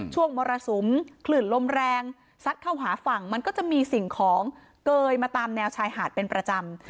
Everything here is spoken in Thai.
มรสุมคลื่นลมแรงซัดเข้าหาฝั่งมันก็จะมีสิ่งของเกยมาตามแนวชายหาดเป็นประจำ